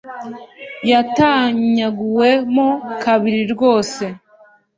Yatanyaguwe mo kabiri rwose